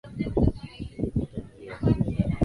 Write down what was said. Nilimpita njiani akija